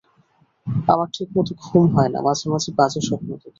আমার ঠিকমত ঘুম হয় না, মাঝে মাঝে বাজে স্বপ্ন দেখি।